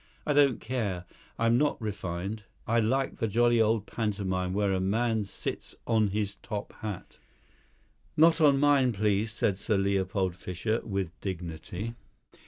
I don't care; I'm not refined. I like the jolly old pantomime where a man sits on his top hat." "Not on mine, please," said Sir Leopold Fischer, with dignity.